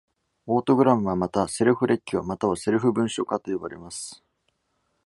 オートグラムはまた、'セルフ列挙'または'セルフ文書化’と呼ばれます。